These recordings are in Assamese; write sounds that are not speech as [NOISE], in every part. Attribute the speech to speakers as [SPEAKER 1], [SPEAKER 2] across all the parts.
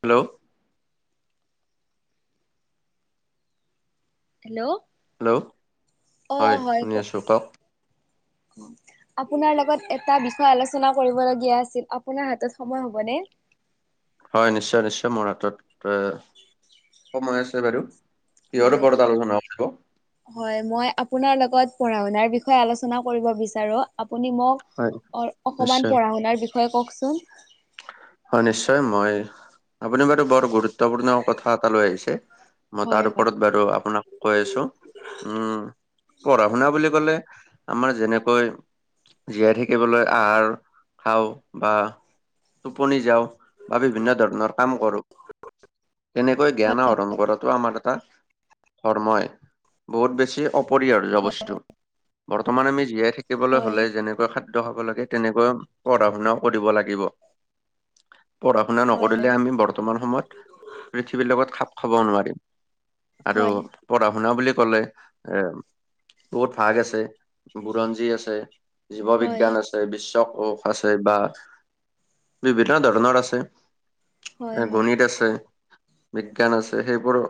[SPEAKER 1] হেল্ল'
[SPEAKER 2] হেল্ল'
[SPEAKER 1] হেল্ল'
[SPEAKER 2] অ হয়
[SPEAKER 1] শুনি
[SPEAKER 2] ক
[SPEAKER 1] আছো কওক
[SPEAKER 2] আপোনাৰ লগত এটা বিষয় আলোচনা কৰিবলগীয়া আছিল আপোনাৰ হাতত সময় হ'বনে
[SPEAKER 1] হয় নিশ্চয় নিশ্চয় মোৰ হাতত সময় আছে বাইদেউ কিহৰ
[SPEAKER 2] হয়।
[SPEAKER 1] ওপৰত আলোচনা [UNINTELLIGIBLE]
[SPEAKER 2] হয় মই আপোনাৰ লগত পঢ়া শুনাৰ বিষয়ে আলোচনা কৰিব বিচাৰো আপুনি
[SPEAKER 1] হয়
[SPEAKER 2] মোক অ অকমান
[SPEAKER 1] নিশ্চয়
[SPEAKER 2] পঢ়া শুনাৰ বিষয়ে কওকচোন
[SPEAKER 1] হয় নিশ্চয় মই আপুনি বাৰু বৰ গুৰুত্বপূৰ্ণ কথা এটা লৈ আহিছে মই
[SPEAKER 2] হয়,
[SPEAKER 1] তাৰ
[SPEAKER 2] হয়।
[SPEAKER 1] ওপৰত বাৰু আপোনাক কৈ আছো উম পঢ়া শুনা বুলি কলে আমাৰ যেনেকৈ জীয়াই থাকিবলৈ আহাৰ খাওঁ বা টোপনি যাওঁ বা বিভিন্ন ধৰণৰ কাম কৰোঁ তেনেকৈ জ্ঞান আহৰণ কৰাটো আমাৰ এটা ধৰ্মই বহুত বেছি অপৰিাৰ
[SPEAKER 2] হয়,
[SPEAKER 1] জবস্তু বৰ্তমান আমি জীয়াই থাকি থাকিবলৈ
[SPEAKER 2] হয়,
[SPEAKER 1] হলে যেনেকৈ খাদ্য খাব লাগে তেনেকৈ পঢ়া শুনাও কৰিব লাগিব পঢ়া শুনা
[SPEAKER 2] হয়,
[SPEAKER 1] নকৰিলে আমি বৰ্তমান সময়ত পৃথিৱীৰ লগত খাপ খাব নোৱাৰিম আৰু
[SPEAKER 2] হয়,
[SPEAKER 1] পঢ়া শুনা বুলি ক'লে এ বহুত ভাগ আছে বুৰঞ্জী আছে জীৱ
[SPEAKER 2] হয়, হয়,
[SPEAKER 1] বিজ্ঞান আছে বিশ্ব কোষ আছে বা বিভিন্ন ধৰণৰ আছে
[SPEAKER 2] হয়,
[SPEAKER 1] এ গণিত আছে বিজ্ঞান আছে সেইবোৰ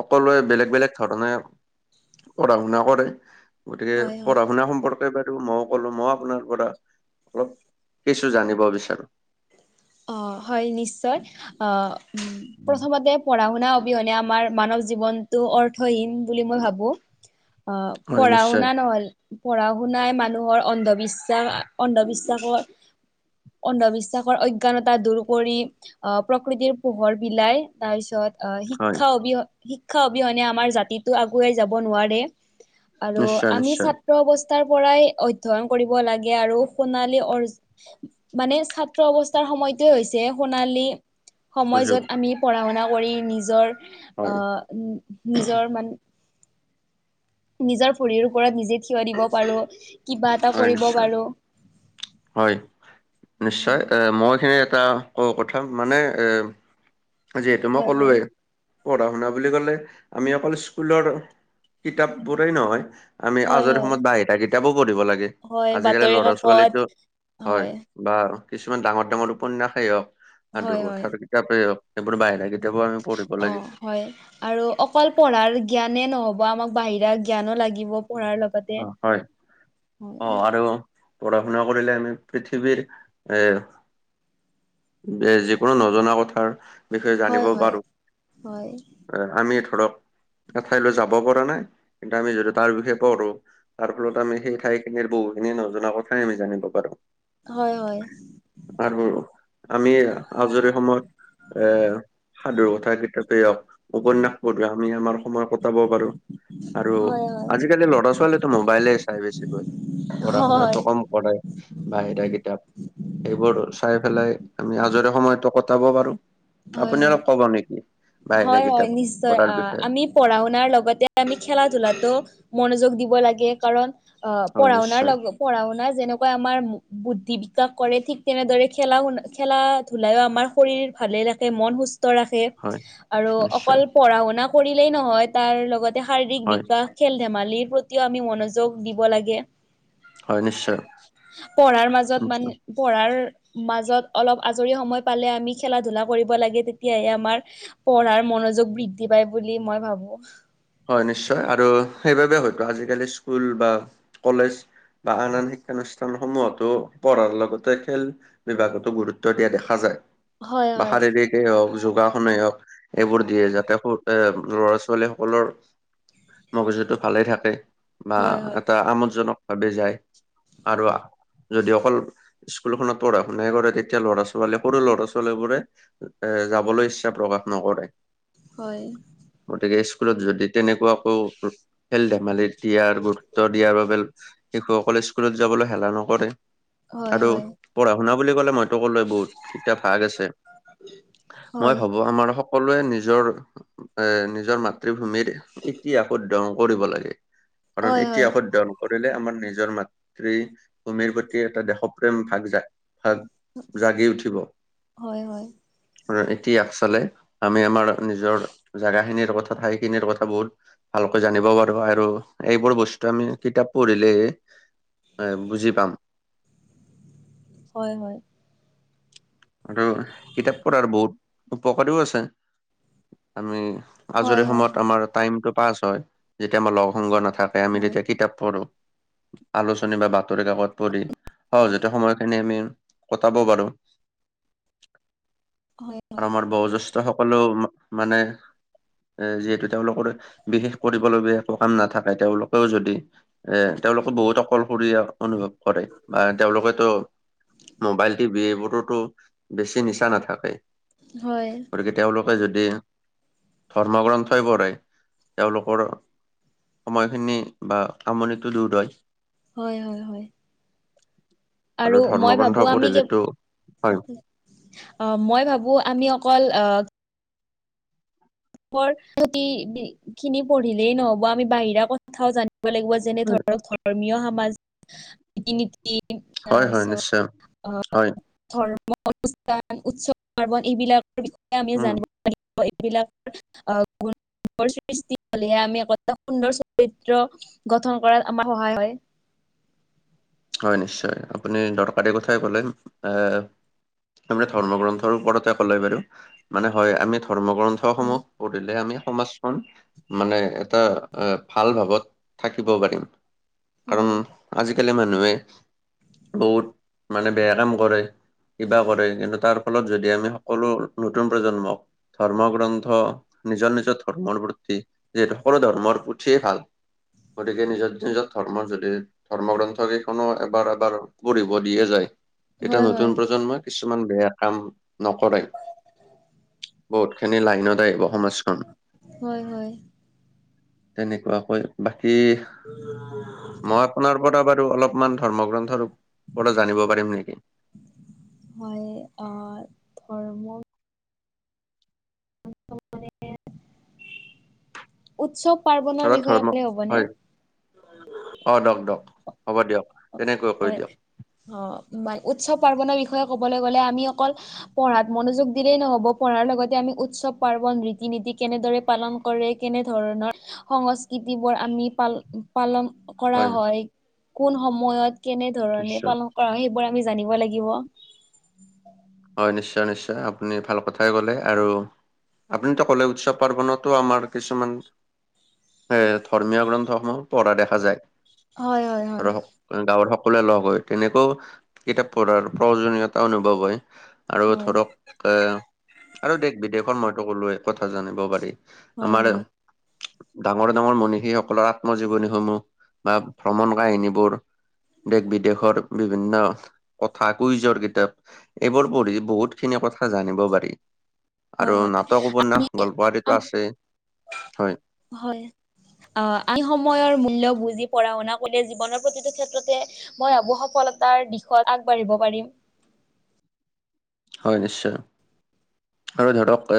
[SPEAKER 1] সকলোৱে বেলেগ বেলেগ ধৰণে পঢ়া শুনা কৰে গতিকে
[SPEAKER 2] হয়, হয়।
[SPEAKER 1] পঢ়া শুনা সম্পৰ্কে এবাৰ টো মই ক'লো মই আপোনাৰ পৰা অলপ কিছু জানিব বিচাৰো
[SPEAKER 2] অ হয় নিশ্চয় আহ প্ৰথমতে পঢ়া শুনা অবিহনে আমাৰ মানৱ জীৱনতটো অৰ্থহীন বুলি মই ভাবো অ
[SPEAKER 1] হয় নিশ্চয়
[SPEAKER 2] পঢ়াওনা নহল পঢ়া শুনাই মানুহৰ অন্ধবিশ্বাস অন্ধবিশ্বাসৰ অন্ধবিশ্বাসৰ্ জঞানতা দূৰ কৰি আহ প্ৰকৃতিৰ পোহৰ বিলাই তাৰ পিছত আহ
[SPEAKER 1] হয়
[SPEAKER 2] শিক্ষা অবি শিক্ষা অবিহনে আমাৰ জাতিটো আগুৱাই যাব নোৱাৰে আৰু
[SPEAKER 1] নিশ্চয়
[SPEAKER 2] আমি
[SPEAKER 1] নিশ্চয়
[SPEAKER 2] ছাত্ৰ অবস্থা টাৰ পৰাই অধ্যয়ন কৰিব লাগে আৰু সোণালী অ মানে ছাত্ৰ অৱস্থা তাৰ সময়টটোৱে হৈছে সোণালী সময়
[SPEAKER 1] সুযোগ
[SPEAKER 2] যত আমি পঢ়া শুনা কৰি নিজৰ অ
[SPEAKER 1] হয়
[SPEAKER 2] নিজৰ মান নিজৰ ভৰিৰ ওপৰত নিজে থিয় দিব পাৰো কিবা এটা
[SPEAKER 1] হয়
[SPEAKER 2] কৰিব
[SPEAKER 1] নিশ্চয়
[SPEAKER 2] পাৰো
[SPEAKER 1] হয় নিশ্চয় এ মইখিনি এটা কথা মানে এ যিহেতু মই
[SPEAKER 2] হয় হয়
[SPEAKER 1] ক'লোৱেই পঢ়া শুনা বুলি ক'লে আমি অকল স্কুলৰ কিতাপ বোৰেই নহয় আমি
[SPEAKER 2] হয়
[SPEAKER 1] আজৰি
[SPEAKER 2] হয়
[SPEAKER 1] সময়ত বাহিতা কিতাপোও পঢ়িব লাগে
[SPEAKER 2] হয়
[SPEAKER 1] আজিকালি
[SPEAKER 2] বাতৰি
[SPEAKER 1] ল'ৰা ছোৱালী টো
[SPEAKER 2] কাকত
[SPEAKER 1] হয় বা কিছুমান ডাঙৰ ডাঙৰ উপন্যাসেই হওক স
[SPEAKER 2] হয়
[SPEAKER 1] দুৰ্
[SPEAKER 2] হয়
[SPEAKER 1] কথাৰ কিতাপেই হওক সেইবোৰ বাহিৰা কিতাপবোৰ পঢ়িব
[SPEAKER 2] অ
[SPEAKER 1] লাগে
[SPEAKER 2] হয় আৰু অকল পঢ়াৰ জ্ঞানেই নহ'ব আমাক বাহিৰা জ্ঞানো লাগিব পঢ়াৰ লগত
[SPEAKER 1] অঁ হয় অঁ আৰু পঢ়া শুনা কৰিলে আমি পৃথিৱীৰ এ যিকোনো নজনা কথাৰ বিষয়ে
[SPEAKER 2] হয়
[SPEAKER 1] জানিব
[SPEAKER 2] হয়
[SPEAKER 1] পাৰো।
[SPEAKER 2] হয়
[SPEAKER 1] আমি ধৰক এঠাইলৈ যাব পৰা নাই ইটা আমি যদি তাৰ বিষয়ে পঢ়ো তাৰ ফলত আমি সেই ঠাইখিনিৰ বহুখিনি নজনা কথাই আমি জানিব পাৰো।
[SPEAKER 2] হয় হয়।
[SPEAKER 1] আৰু আমি আজৰি সময়ত এ সাধুৰ কথা কিতাপেই হওক উপন্যাস পঢ়োৱা আমি আমাৰ সময় ক পটাব পাৰো আৰু
[SPEAKER 2] হয় হয় হয়
[SPEAKER 1] আজিকালি ল'ৰা ছোৱালীৱেটো মোবাইলেই চাই বেছিকৈ। পঢ়া
[SPEAKER 2] হয়
[SPEAKER 1] শুনাটো কম কৰে বাাহিৰা কিতাপ সেইবোৰ চাই পেলাই- আমি আজৰি সময়তো কটাব পাৰো।
[SPEAKER 2] হয়
[SPEAKER 1] আপুনি
[SPEAKER 2] হয়
[SPEAKER 1] অলপ কব নেকি বাহিৰে
[SPEAKER 2] হয় হয়
[SPEAKER 1] কিতাপ
[SPEAKER 2] নিশ্চয়
[SPEAKER 1] পঢ়াৰ
[SPEAKER 2] আহ
[SPEAKER 1] বিষয়ে।
[SPEAKER 2] আমি পঢ়া শুনাৰ লগতে আমি খেলা ধূলাতো মনোযোগ দিব লাগে কাৰণ, অ
[SPEAKER 1] হয়
[SPEAKER 2] পঢ়াওনাৰ
[SPEAKER 1] নিশ্চয়,
[SPEAKER 2] লগ পঢ়া শুনা যেনেকৈ আমাৰ বুদ্ধি বিকাশ কৰে ঠিক তেনেদৰে খেলা শুনা খেলা ধূলাইও আমাৰ শৰীৰ ভালে ৰাখ- মন সুস্থ ৰাখে
[SPEAKER 1] হয়
[SPEAKER 2] আৰু
[SPEAKER 1] নিশ্চয়,
[SPEAKER 2] অকল পঢ়া শুনা কৰিলেই নহয় তাৰ লগত এ শাৰীৰিক
[SPEAKER 1] হয়,
[SPEAKER 2] বিকাশ খেল ধেমালিৰ প্ৰতিও আমি মনোযোগ দিব লাগে।
[SPEAKER 1] হয় নিশ্চয়,
[SPEAKER 2] পঢ়াৰ মাজত মান
[SPEAKER 1] নিশ্চয়।
[SPEAKER 2] পঢ়াৰ মাজত অলপ আজৰি সময় পালে আমি খেলা ধূলা কৰিব লাগে তেতিয়াহে আমাৰ পঢ়াৰ মনোযোগ বৃদ্ধি পায় বুলি মই ভাবো।
[SPEAKER 1] হয় নিশ্চয় আৰু সেইবাবে হয়তো আজিকালি স্কুল বা কলেজ বা আন আন শিক্ষানুষ্ঠানসমূহতো পঢ়াৰ লগতে খেল বিভাগতো গুৰুত্ব দিয়া দেখা যায়।
[SPEAKER 2] হয়
[SPEAKER 1] বা
[SPEAKER 2] হয়
[SPEAKER 1] শাৰীৰিকেই হওক যোগাসনেই হওক এইবোৰ দিয়ে যাতে স তে লৰা ছোৱালী সকলৰ মগজুটো ভালে থাকে। বা
[SPEAKER 2] হয় হয়
[SPEAKER 1] এটা আমোদজনক ভাৱে যায় আৰু যদি অকল স্কুলখনত পঢ়া শুনাই কৰে তেতিয়া ল'ৰা ছোৱালীয়ে সৰু ল'ৰা ছোৱালী বোৰে এ যাবলৈ ইচ্ছা প্ৰকাশ নকৰে।
[SPEAKER 2] হয়।
[SPEAKER 1] গতিকে স্কুলত যদি তেনেকুৱাকো খেল ধেমালি দিয়াৰ গুৰুত্ব দিয়াৰ বাবে শিশুসকলে স্কুলত যাবলৈ হেলা নকৰে
[SPEAKER 2] হয়
[SPEAKER 1] আৰু পঢ়া শুনা বুলি কলে মই বহুত এতিয়া ভাগ আছে মই
[SPEAKER 2] হয়
[SPEAKER 1] ভাবো আমাৰ সক- সকলোৱে নিজৰ এ নিজৰ মাতৃভূমিৰ- এতিয়া সুদদন কৰিব লাগে কাৰণ
[SPEAKER 2] হয় হয় হয়
[SPEAKER 1] এতিয়া সুদদন কৰিলে আমাৰ নিজৰ মাতৃ ভূমিৰ প্ৰতি এটা দেশপ্ৰেম ভাগ যায় ভাগ- জাগি উঠিব।
[SPEAKER 2] হয়
[SPEAKER 1] উম এতিয়া আচালে আমি আমাৰ নিজৰ জেগাখিনিৰ কথা ঠাইখিনিৰ কথা বহুত ভালকৈ জানিব পাৰো আৰু এইবোৰ বস্তু আমি কিতাপ পঢ়িলেই হে বুজি পাম।
[SPEAKER 2] হয় হয়।
[SPEAKER 1] আৰু কিতাপ পঢ়াৰ বহুত উপকাৰীও আছে আমি
[SPEAKER 2] হয় হয়
[SPEAKER 1] আজৰি সময়ত আমাৰ টাইম টো পাছ হয় যেতিয়া আমাৰ লগ সংগ নাথাক কে
[SPEAKER 2] হয়
[SPEAKER 1] আমি
[SPEAKER 2] হয়
[SPEAKER 1] তেতিয়া কিতাপ পঢ়ো। আলোচনী বা বাতৰি কাকত পঢ়ি সহজতে সময়খিনি আমি কটাব পাৰো।
[SPEAKER 2] হয়
[SPEAKER 1] আৰু আমাৰ বয়োজ্যেষ্ঠ সকলেও মানে এ যিহেতু তেওঁলোকৰ বিশেষ কৰিবলগীয়া একো কাম নাথাকে তেওঁলোকেও যদি এ তেওঁলোকে বহুত অকলশৰীয়া অনুভৱ কৰে বা তেওঁলোকে ত' মোবাইল টিভি এইবোৰোতো বেছি নিচা নাথাকে
[SPEAKER 2] হয়
[SPEAKER 1] গতিকে তেওঁলোকে যদি ধৰ্মগ্ৰন্থই পঢ়ে তেওঁলোকৰ সময়খিনি বা আমনিটো দূৰ হয়
[SPEAKER 2] হয় হয় হয়
[SPEAKER 1] আৰু
[SPEAKER 2] মই ভাবো
[SPEAKER 1] ধৰ্মগ্ৰন্থ
[SPEAKER 2] আমি
[SPEAKER 1] পঢ়িলেতো হয়
[SPEAKER 2] অ মই ভাবো আমি অকল অ পুঠি খিনি পঢ়িলেই নহব আমি বাহিৰা কথাও জানিব লাগিব যেনে ধৰক ধৰ্মীয় সামাজিক ৰীতি নীতি ই অ
[SPEAKER 1] হয়
[SPEAKER 2] চ
[SPEAKER 1] হয় নিশ্চয়
[SPEAKER 2] অ
[SPEAKER 1] হয়
[SPEAKER 2] ধৰ্ম অনুষ্ঠান উৎসৱ পাৰ্বন এইবিলাকৰ বিষয়ে আমি
[SPEAKER 1] উম
[SPEAKER 2] জানিব পাৰিব এইবিলাক অ গোল সৃষ্টি হলেহে আমি এক সুন্দৰ চৰিত্ৰ গঠন কৰাত আমাৰ সহায় হয়
[SPEAKER 1] হয় নিশ্চয় আপুনি দৰকাৰী কথাই ক'লে এ আমি ধৰ্ম গ্ৰন্থৰ ওপৰতে ক'লে বাৰু মানে হয় আমি ধৰ্ম গ্ৰন্থসমূহ কৰিলে আমি সমাজখন মানে এটা এ ভাল ভাৱত থাকিব পাৰিম কাৰণ
[SPEAKER 2] হয়
[SPEAKER 1] আজিকালি মানুহে বহুত মানে বেয়া কাম কৰে কিবা কৰে কিন্তু তাৰ ফলত যদি আমি সকলো নতুন প্ৰজন্মক ধৰ্মগ্ৰন্থ নিজৰ নিজৰ ধৰ্মৰ প্ৰতি যিহেতু সকলো ধৰ্মৰ পুথিয়েই ভাল গতিকে নিজৰ নিজৰ ধৰ্ম যদি ধৰ্মগ্ৰন্থ কি খনো এবাৰ এবাৰ পঢ়িব দিয়ে যায় এতিয়া
[SPEAKER 2] হয় হয় হয়
[SPEAKER 1] নতুন প্ৰজন্মই কিছুমান বেয়া কাম নকৰে বহুত খিনি লাইনত আহিব সমাজখন
[SPEAKER 2] হয় হয়
[SPEAKER 1] তেনেকুৱাকৈ বাকী মই আপোনাৰ পৰা বাৰু অলপ ছুমান ধৰ্ম গ্ৰন্থৰ ওপৰত জানিব পাৰিম নিকি
[SPEAKER 2] হয় অ ধৰ্ম উৎসৱ পাৰ্বনৰৰ
[SPEAKER 1] ধৰক
[SPEAKER 2] বিষয়ে
[SPEAKER 1] ধৰ্ম
[SPEAKER 2] কলে হবনে
[SPEAKER 1] হয় অ দক দক হ'ব দিয়ক তেনেকৈ কৈ
[SPEAKER 2] হয়
[SPEAKER 1] দিয়ক
[SPEAKER 2] অ উৎসৱ পাৰ্বনৰৰ বিষয়ে ক'বলৈ গলে আমি অকল পঢ়াত মনোযোগ দিলেই নহ'ব পঢ়াৰ লগতে আমি উৎসৱ পাৰ্বন ৰীতি নীতি কেনেদৰে পালন কৰে কেনেধৰণৰ সংস্কৃতি বোৰ আমি পাল পালন কৰা হয় কোন সময়ত কেনে ধৰণে
[SPEAKER 1] নিশ্চয়
[SPEAKER 2] পালন কৰা হয় সেইবোৰ আমি জানিব লাগিব
[SPEAKER 1] হয় নিশ্চয় নিশ্চয় আপুনি ভাল কথাই ক'লে আৰু আপুনি ত ক'লে উৎসৱ পাৰ্বণতো আমাৰ কিছুমান এ ধৰ্মীয় গ্ৰন্থসমূহ পঢ়া দেখা যায়
[SPEAKER 2] হয় হয় হয়
[SPEAKER 1] আৰু সক গাঁৱৰ সকলোৱে লগ হয় তেনেকেও কিতাপ পঢ়াৰ প্ৰয়োজনীয়তা অনুভৱ হয় আৰু
[SPEAKER 2] হয়
[SPEAKER 1] ধৰক এ আৰু দেশ বিদেশত মইতো ক'লোৱেই কথা জানিব পাৰি
[SPEAKER 2] হয়
[SPEAKER 1] আমাৰ এ
[SPEAKER 2] হয়
[SPEAKER 1] ডাঙৰ ডাঙৰ মনীষীসকলৰ আত্মজীৱনীসমূহ বা ভ্ৰমণ কাহিনীবোৰ দেশ বিদেশৰ বিভিন্ন কথা কুইজৰ কিতাপ এইবোৰ পঢ়ি বহুত খিনি কথা জানিব পাৰি। আৰু
[SPEAKER 2] হয় হয়
[SPEAKER 1] নাটক উপন্যাস গল্পাৰতো
[SPEAKER 2] আম
[SPEAKER 1] আছেই, হয়।
[SPEAKER 2] হয়। আ এই সময়ৰ মূল্য বুজি পঢ়া শুনা কৰিলে জীৱনৰ প্ৰতিটো ক্ষেত্ৰতে মই ভাবোঁ সফলতাৰ দিশত আগবাঢ়িব পাৰিম।
[SPEAKER 1] হয় নিশ্চয়। আৰু ধৰক এ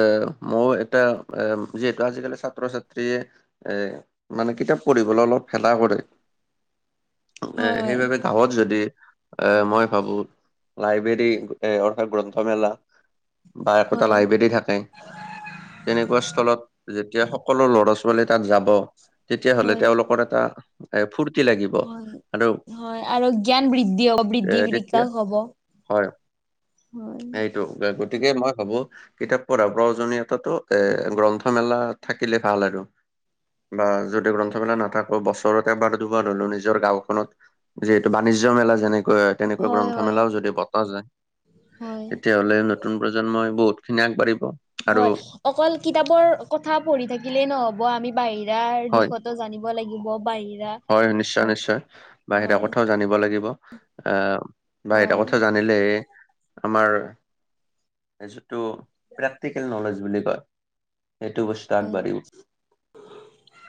[SPEAKER 1] মই এটা যিহেতু আজিকালি ছাত্ৰ ছাত্ৰীয়ে এ মানে কিতাপ পঢ়িবলৈ অলপ এলা কৰে এ
[SPEAKER 2] হয় হয়
[SPEAKER 1] সেইবাবে গাঁৱত যদি এ মই ভাবো লাইব্ৰেৰী এ অৰ্থাৎ গ্ৰন্থমেলা বা একোটা
[SPEAKER 2] হয়
[SPEAKER 1] লাইব্ৰেৰী থাকে। তেনেকুৱা স্থলত যেতিয়া সকলো লৰা ছোৱালী তাত যাব তেতিয়া হ'লে
[SPEAKER 2] হয়
[SPEAKER 1] তেওঁলোকৰ এটা ফুৰ্তি লাগিব।
[SPEAKER 2] হয়
[SPEAKER 1] আৰু
[SPEAKER 2] হয় আৰু জ্ঞান বৃদ্ধি হ'ব
[SPEAKER 1] এ
[SPEAKER 2] বৃদ্ধি
[SPEAKER 1] তেতিয়া
[SPEAKER 2] বিকাশ হ'ব।
[SPEAKER 1] হয়,
[SPEAKER 2] হয়
[SPEAKER 1] সেইটো গতিকে মই ভাবোঁ কিতাপ পঢ়া প্ৰয়োজনীয়তাতো এ গ্ৰন্থ মেলা থাকিলে ভাল আৰু। বা যদি গ্ৰন্থমেলা নাথাকো বছৰতে এবাৰ দুবাৰ হলেও নিজৰ গাঁওখনত যিহেতু বাণিজ্য মেলা যেনেকৈ তেনেকুৱা
[SPEAKER 2] হয়
[SPEAKER 1] গ্ৰন্থ
[SPEAKER 2] হয়
[SPEAKER 1] মেলাও যদি পতা যায়
[SPEAKER 2] হয়
[SPEAKER 1] তেতিয়া হ'লে নতুন প্ৰজন্মই বহুত খিনি আগবাঢ়িব। আৰু
[SPEAKER 2] হয় অকল কিতাপৰ কথা পঢ়ি থাকিলেই নহ'ব আমি বাহি ৰাৰ
[SPEAKER 1] হয়
[SPEAKER 2] দিশতো জানিব লাগিব বাহিৰা,
[SPEAKER 1] হয় নিশ্চয়
[SPEAKER 2] অ
[SPEAKER 1] নিশ্চয় বাহিৰা
[SPEAKER 2] হয়।
[SPEAKER 1] কথাও জানিব লাগিব আহ বাহিৰা
[SPEAKER 2] হয়
[SPEAKER 1] কথা জানিলেহে আমাৰ যিটো প্ৰেক্টিকেল নলেজ বুলি কয় সেইটো বস্তু
[SPEAKER 2] হয়।
[SPEAKER 1] আগবাঢ়িব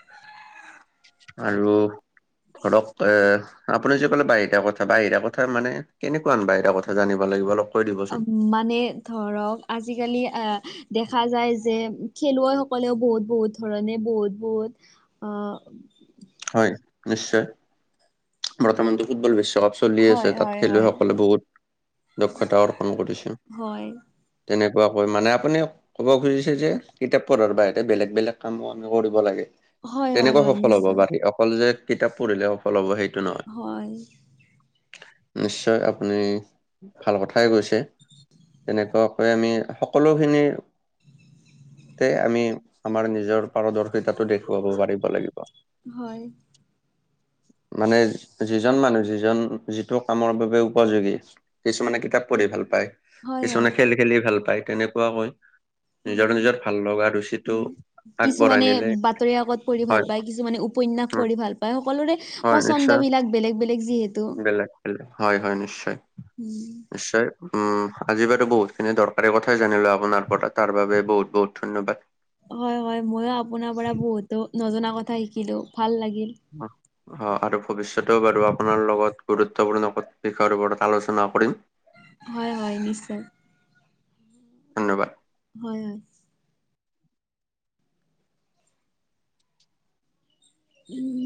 [SPEAKER 2] [INAUDIBLE]
[SPEAKER 1] আৰু ধৰক এ আপুনি যে ক'লে বাহিৰা কথা বাহিৰা কথা মানে কেনেকুৱা বাহিৰা কথা জানিব লাগিব অলপ কৈ দিবচোন
[SPEAKER 2] উম মানে ধৰক আজিকালি দেখা যায় যে খেলুৱৈসকলেও বহুত বহুত ধৰনে বহুত বহুত আহ
[SPEAKER 1] হয় নিশ্চয়। বৰ্তমানটো ফুটবল বিশ্বকাপ চলি
[SPEAKER 2] হয়
[SPEAKER 1] আছে
[SPEAKER 2] হয়
[SPEAKER 1] তাত
[SPEAKER 2] হয়
[SPEAKER 1] খেলুৱৈসকলে বহুত দক্ষতা অৰ্পণ কৰিছে।
[SPEAKER 2] হয়
[SPEAKER 1] তেনেকুৱাকৈ মানে আপুনি কব খুজিছে যে কিতাপ পঢ়াৰ বাহিৰে বেলেগ বেলেগ কামো আমি কৰিব লাগে।
[SPEAKER 2] হয় হয়
[SPEAKER 1] তেনেকুৱা
[SPEAKER 2] হয়
[SPEAKER 1] সফল হব
[SPEAKER 2] নিশ্চয়
[SPEAKER 1] পাৰি, অকল যে কিতাপ পঢ়িলে সফল হব সেইটো নহয়।
[SPEAKER 2] হয়।
[SPEAKER 1] নিশ্চয় আপুনি ভাল কথাই কৈছে। তেনেকুৱা কৈ আমি সকলোখিনিতে আমি আমাৰ নিজৰ পাৰদৰ্শিতাটো দেখুৱাব পাৰিব লাগিব।
[SPEAKER 2] হয়।
[SPEAKER 1] মানে যিজন মানুহ যিজন যিটো কামৰ বাবে উপযোগী। কিছুমানে কিতাপ পঢ়ি ভাল পায়,
[SPEAKER 2] হয় হয় হয়
[SPEAKER 1] কিছুমানে খেল খেলি ভাল পায় তেনেকুৱাকৈ। নিজৰ
[SPEAKER 2] হয়
[SPEAKER 1] নিজৰ ভাল লগা ৰুচিটো
[SPEAKER 2] উম,
[SPEAKER 1] আগবঢ়াই
[SPEAKER 2] কিছুমানে
[SPEAKER 1] নিলে,
[SPEAKER 2] বাতৰি কাকত পঢ়ি ভাল
[SPEAKER 1] হয়।
[SPEAKER 2] পায়, কিছুমানে উপন্যাস
[SPEAKER 1] উম,
[SPEAKER 2] পঢ়ি ভাল পায়, সকলোৰে
[SPEAKER 1] হয়
[SPEAKER 2] পচন্দ
[SPEAKER 1] নিশ্চয়
[SPEAKER 2] বিলাক বেলেগ বেলেগ যিহেতু।
[SPEAKER 1] বেলেগ হয় হয় নিশ্চয়।
[SPEAKER 2] উম
[SPEAKER 1] নিশ্চয় উম, আজি বাৰু বহুতখিনি দৰকাৰী কথাই জানিলো আপোনাৰ পৰা তাৰ বাবে বহুত-বহুত ধন্যবাদ।
[SPEAKER 2] হয়-হয় ময়ো আপোনাৰ পৰা বহুতো নজনা কথা শিকিলো ভাল লাগিল।
[SPEAKER 1] অ- অ', আৰু ভৱিষ্যতেও বাৰু আপোনাৰ লগত গুৰুত্বপূৰ্ণ বিষয়ৰ ওপৰত প্ৰত্যাশাৰ আলোচনা কৰিম।
[SPEAKER 2] হয়-হয়, নিশ্চয়।
[SPEAKER 1] ধন্যবাদ।
[SPEAKER 2] হয়-হয়। উম